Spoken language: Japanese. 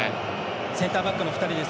センターバックの２人です。